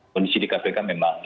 kondisi di kpk memang